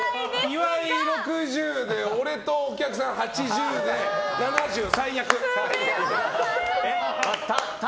岩井６０で俺とお客さん８０で７０最悪。